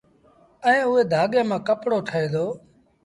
ائيٚݩ اُئي ڌآڳي مآݩ ڪپڙو ٺهي دو